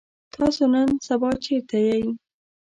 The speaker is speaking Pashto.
تاسو نن سبا چرته يئ؟